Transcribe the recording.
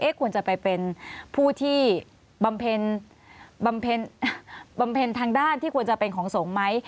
ควรจะไปเป็นผู้ที่บำเพ็ญทางด้านที่ควรจะเป็นของสงฆ์ไหม